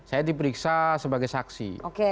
saya diperiksa sebagai saksi